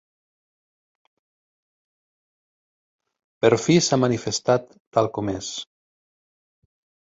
Per fi s'ha manifestat tal com és.